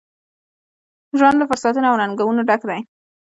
ژوند له فرصتونو ، او ننګونو ډک دی.